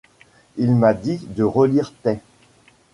Il m'a dit de relire tes.